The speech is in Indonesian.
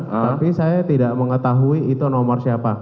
tapi saya tidak mengetahui itu nomor siapa